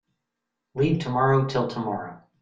Leave tomorrow till tomorrow.